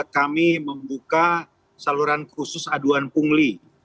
kami membuka saluran khusus aduan pungli